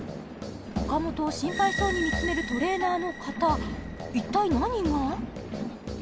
岡本を心配そうに見つめるトレーナーの方一体何が？